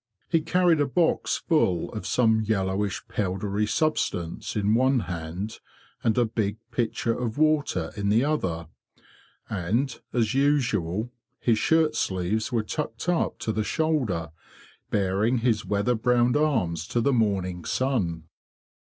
He carried a box full of some yellowish powdery substance in one hand, and a big pitcher of water in the other; and as ustial, his shirt sleeves were tucked up to the shouldet, baring his weather browned arms to the morning sun.